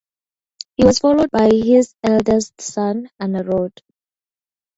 He was followed by his eldest son, Anarawd.